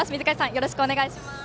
よろしくお願いします。